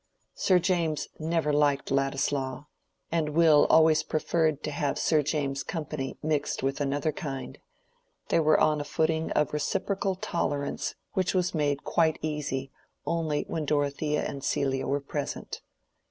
Sir James never liked Ladislaw, and Will always preferred to have Sir James's company mixed with another kind: they were on a footing of reciprocal tolerance which was made quite easy only when Dorothea and Celia were present.